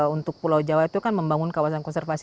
untuk pulau jawa itu kan membangun kawasan konservasi